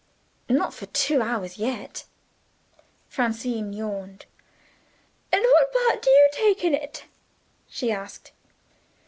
"Not for two hours yet." Francine yawned. "And what part do you take in it?" she asked.